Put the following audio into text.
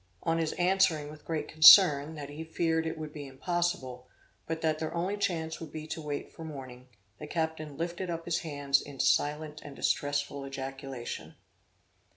On his answering with great concern, that he feared it would be impossible, but that their only chance would be to wait for morning, the captain lifted up his hands in silent and distressful ejaculation.